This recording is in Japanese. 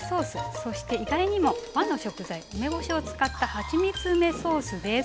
そして意外にも和の食材梅干しを使ったはちみつ梅ソースです。